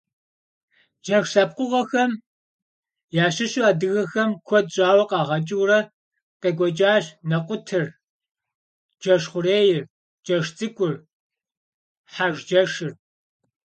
Джэш лъэпкъыгъуэхэм ящыщу адыгэхэм куэд щӀауэ къагъэкӀыурэ къекӀуэкӀащ нэкъутыр, джэшхъурейр, джэшцӀыкӀур, хьэжджэшыр.